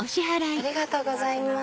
ありがとうございます。